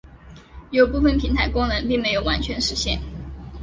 有部分平台功能并没有完全实现。